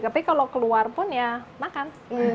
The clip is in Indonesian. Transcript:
tapi kalau keluar pun ya makan